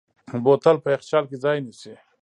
بوتل په یخچال کې ځای نیسي.